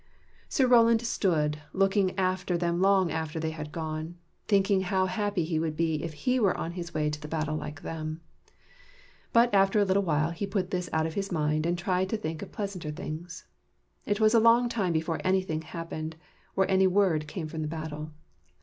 Sir Roland stood looking after them long after they had gone, thinking how happy he would be if 5 THE KNIGHTS OF THE SILVER SHIELD he were on the way to battle like them. But after a little he put this out of his mind, and tried to think of pleasanter things. It was a long time before anything happened, or any word came from the battle.